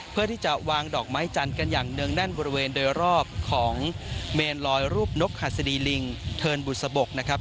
เพื่อที่จะวางดอกไม้จันทร์กันอย่างเนื่องแน่นบริเวณโดยรอบของเมนลอยรูปนกหัสดีลิงเทินบุษบกนะครับ